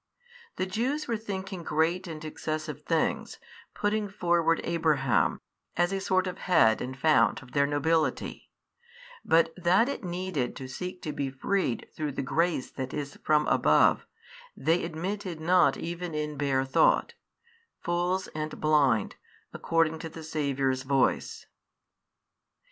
The Jews were thinking great and excessive things, putting forward Abraham as a sort of head and fount of their nobility: but that it needed to seek to be freed through the grace that is from above, they admitted not even in bare thought, fools and blind according to the Saviour's voice.